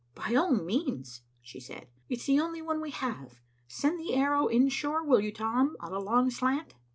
"By all means," she said. "It's the only one we have. Send the Arrow inshore, will you, Tom, on a long slant?"